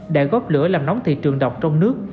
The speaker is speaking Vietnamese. để góp lửa làm nóng thị trường đọc trong nước